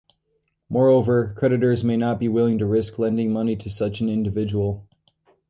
Moreover, creditors may not be willing to risk lending money to such an individual.